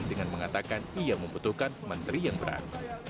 dengan mengatakan ia membutuhkan menteri yang berat